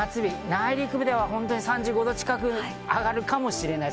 内陸部では３５度近く上がるかもしれない。